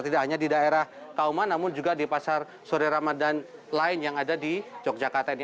tidak hanya di daerah kauman namun juga di pasar sore ramadan lain yang ada di yogyakarta ini